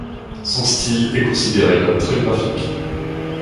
Son style est considéré comme très graphique.